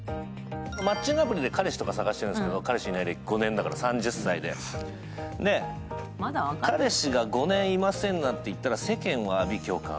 マッチングアプリで彼氏とか探しているんですけど、彼氏いない歴５年だから、３０歳で、彼氏が５年いませんなんて言ったら世間は阿鼻叫喚。